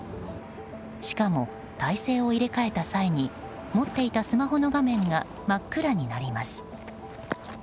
しかも体勢を入れ替えた際に持っていたスマホの画面が真っ暗になります。